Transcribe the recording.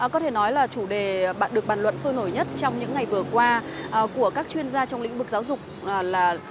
có thể nói là chủ đề bạn được bàn luận sôi nổi nhất trong những ngày vừa qua của các chuyên gia trong lĩnh vực giáo dục là